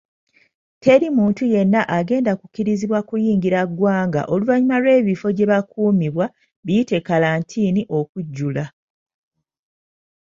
Teri muntu yenna agenda kukkirizibwa kuyingira ggwanga oluvannyuma lw'ebifo gye bakuumibwa biyite 'kalantiini' okujjula.